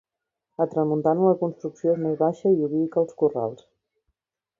A tramuntana la construcció és més baixa i ubica els corrals.